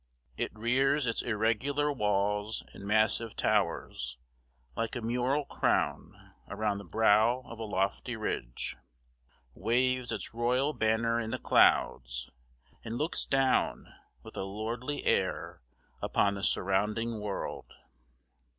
It rears its irregular walls and massive towers, like a mural crown around the brow of a lofty ridge, waves its royal banner in the clouds, and looks down with a lordly air upon the surrounding world.